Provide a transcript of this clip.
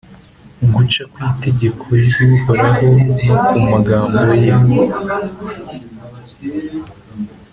guca ku itegeko ry’uhoraho no ku magambo ye